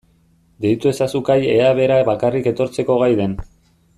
Deitu ezazu Kai ea bera bakarrik etortzeko gai den.